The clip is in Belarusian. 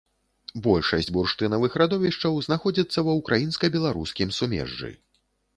Большасць бурштынавых радовішчаў знаходзіцца ва ўкраінска-беларускім сумежжы.